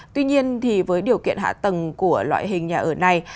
tuy nhiên với điều kiện hạ tầng của loại hình nhà ở này